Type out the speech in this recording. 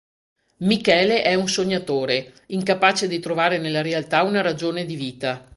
Michele è un sognatore, incapace di trovare nella realtà una ragione di vita.